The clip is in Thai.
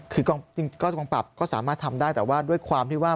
คือก็กองปรับก็สามารถทำได้แต่ว่าด้วยความที่ว่า